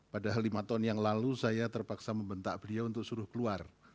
padahal lima tahun yang lalu saya terpaksa membentak beliau untuk suruh keluar